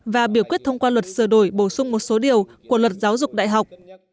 và biểu quyết thông qua luật sửa đổi bổ sung một số điều của luật giáo dục đại học